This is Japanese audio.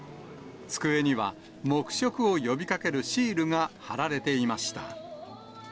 机には黙食を呼びかけるシールが貼られていました。